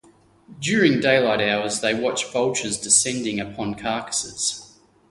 During daylight hours, they watch vultures descending upon carcasses.